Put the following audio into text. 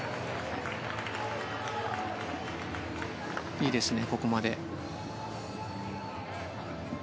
いいですね、ここまで。